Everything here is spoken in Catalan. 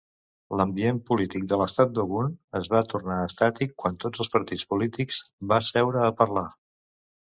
L'ambient polític de l'estat d'Ogun es va tornar estàtic quan tots els partits polítics va seure a parlar.